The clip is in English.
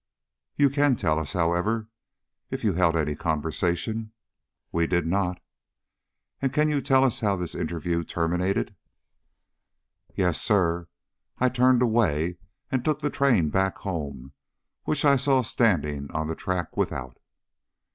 "You can tell us, however, if you held any conversation?" "We did not." "And you can tell us how the interview terminated?" "Yes, sir. I turned away and took the train back home, which I saw standing on the track without."